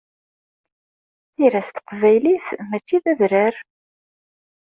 Tira s teqbaylit, mačči d adrar.